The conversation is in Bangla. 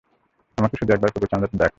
আমাকে শুধু একবার কুকুরছানাটা দেখা।